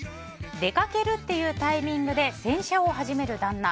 出かけるっていうタイミングで洗車を始める旦那。